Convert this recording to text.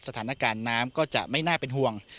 สถานการณ์น้ำก็จะไม่น่าเป็นห่วง